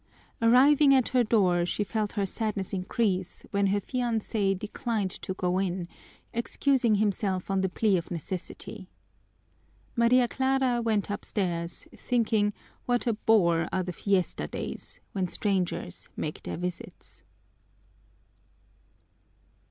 Arriving at her door, she felt her sadness increase when her fiancé declined to go in, excusing himself on the plea of necessity. Maria Clara went upstairs thinking what a bore are the fiesta days, when strangers make their visits.